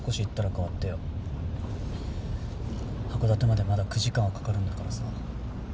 函館までまだ９時間はかかるんだからさ。